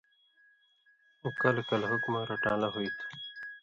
اُو کلہۡ کلہۡ حُکُماں رٹان٘لو ہُوئ تُھو،